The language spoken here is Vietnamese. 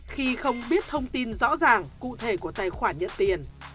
khi không biết thông tin rõ ràng cụ thể của tài khoản